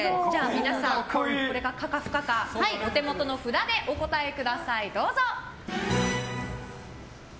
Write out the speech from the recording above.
皆さん、これが可か不可かお手元の札でお答えください！